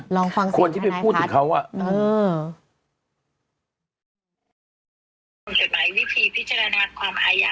ลองฟังสิทธิ์ให้นายพัฒน์คนที่เป็นผู้ถึงเขาอ่ะ